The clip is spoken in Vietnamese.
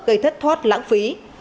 gây thất thoát lãng phí